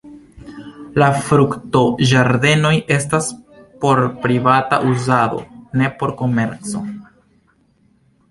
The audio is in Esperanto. La fruktoĝardenoj estas por privata uzado; ne por komerco.